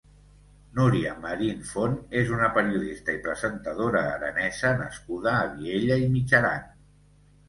Núria Marín Font és una periodista i presentadora aranesa nascuda a Viella i Mitjaran.